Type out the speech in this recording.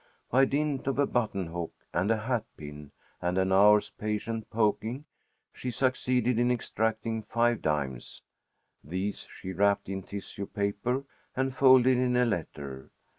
By dint of a button hook and a hat pin and an hour's patient poking, she succeeded in extracting five dimes. These she wrapped in tissue paper, and folded in a letter.